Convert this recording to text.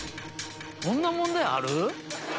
そんな問題ある？